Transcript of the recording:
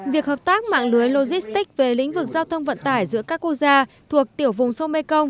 việc hợp tác mạng lưới logistics về lĩnh vực giao thông vận tải giữa các quốc gia thuộc tiểu vùng sông mekong